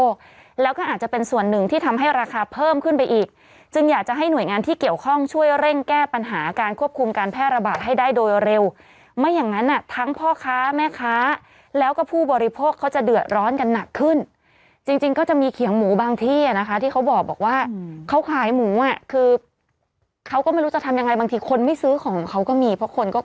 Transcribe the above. ผู้บริโภคแล้วก็อาจจะเป็นส่วนหนึ่งที่ทำให้ราคาเพิ่มขึ้นไปอีกจึงอยากจะให้หน่วยงานที่เกี่ยวข้องช่วยเร่งแก้ปัญหาการควบคุมการแพร่ระบาดให้ได้โดยเร็วไม่อย่างนั้นอ่ะทั้งพ่อค้าแม่ค้าแล้วก็ผู้บริโภคเขาจะเดือดร้อนกันหนักขึ้นจริงจริงก็จะมีเขียงหมูบางที่อ่ะนะคะที่เขาบอกว่าเขาขายหมูอ่ะคือเขาก็